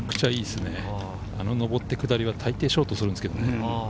あの上って下りは最後、大抵ショートするんですけれどね。